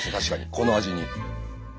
この味に。